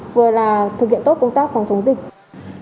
vừa là thực hiện tốt công tác phòng chống dịch